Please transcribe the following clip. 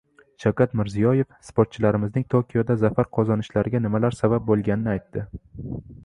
Shavkat Mirziyoyev sportchilarimizning Tokioda zafar qozonishlariga nimalar sabab bo‘lganini aytdi